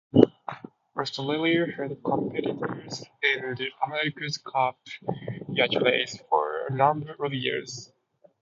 Australia had competitors in the America's Cup yacht race for a number of years.